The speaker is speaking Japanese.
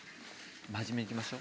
真面目にいきましょう。